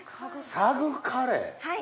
サグカレー。